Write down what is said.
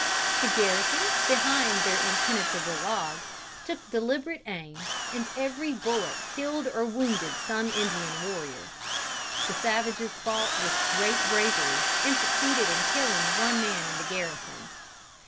The garrison, behind their impenetrable logs, took deliberate aim, and every bullet killed or wounded some Indian warrior. The savages fought with great bravery, and succeeded in killing one man in the garrison.